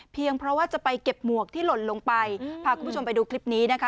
เพราะว่าจะไปเก็บหมวกที่หล่นลงไปพาคุณผู้ชมไปดูคลิปนี้นะคะ